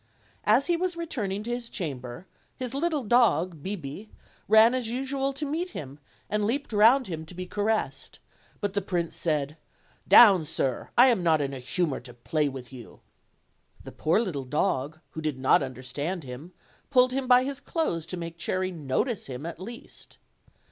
As he was returning to his chamber, his little dog Bibi ran as usual to meet him, and leaped round him to be ca ressed; but the prince said, "Down, sir; I am not in a humor to play with yon." The poor little dog, who did not understand him, pulled him by his clothes to make Cherry notice him at least.